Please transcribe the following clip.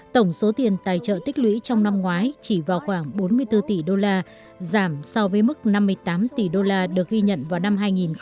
tổng số tiền tài trợ tích lũy trong năm ngoái chỉ vào khoảng bốn mươi bốn tỷ đô la giảm so với mức năm mươi tám tỷ đô la được ghi nhận vào năm hai nghìn một mươi